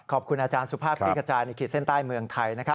ขอบคุณอาจารย์สุภาพที่กระจายในขีดเส้นใต้เมืองไทยนะครับ